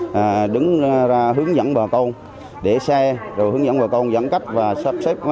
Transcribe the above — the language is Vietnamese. phường đứng ra hướng dẫn bà con để xe hướng dẫn bà con dẫn cách và sắp xếp